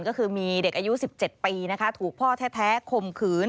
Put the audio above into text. ก็คือมีเด็กอายุ๑๗ปีนะคะถูกพ่อแท้ข่มขืน